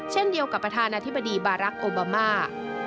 เช่นเดียวกับประธานาธิบดีบารักษ์โอบามา